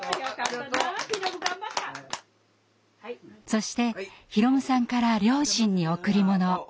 そして宏夢さんから両親に贈り物。